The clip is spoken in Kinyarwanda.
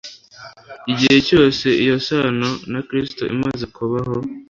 Igihe cyose iyo sano na Kristo imaze kubaho,